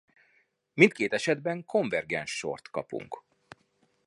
Mindkét esetben konvergens sort kapunk.